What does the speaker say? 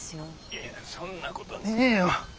いやいやそんなことねえよ。